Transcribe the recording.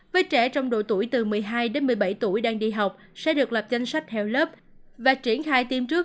với trẻ trong độ tuổi từ một mươi hai đến một mươi bảy tuổi đang đi học sẽ được lập danh sách theo lớp và triển khai tiêm trước